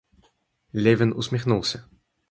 Левин усмехнулся.